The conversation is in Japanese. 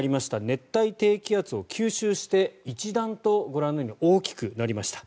熱帯低気圧を吸収して一段とご覧のように大きくなりました。